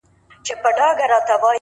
د ځان درناوی له ځان پېژندنې پیلېږي!